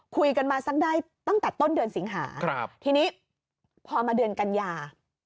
คุยกันมาสักได้ตั้งแต่ต้นเดือนสิงหาทีนี้พอมาเดือนกันยา